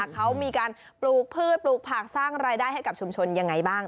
เขามีการปลูกพืชปลูกผักสร้างรายได้ให้กับชุมชนยังไงบ้าง